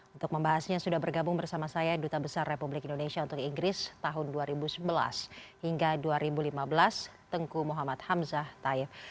untuk membahasnya sudah bergabung bersama saya duta besar republik indonesia untuk inggris tahun dua ribu sebelas hingga dua ribu lima belas tengku muhammad hamzah taif